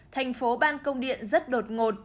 thành phố ban công điện rất đột ngột